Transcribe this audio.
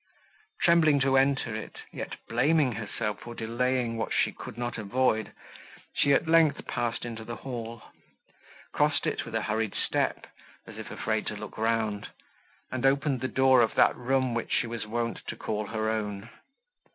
Trembling to enter it, yet blaming herself for delaying what she could not avoid, she, at length, passed into the hall; crossed it with a hurried step, as if afraid to look round, and opened the door of that room, which she was wont to call her own.